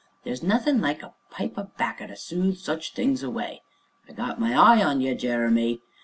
there's nothin' like a pipe o' 'bacca to soothe such things away (I got my eye on ye, Jeremy!)